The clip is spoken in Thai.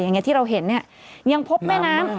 อย่างนี้ที่เราเห็นยังพบแม่น้ำ